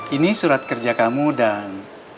ini surat kerja kamu dan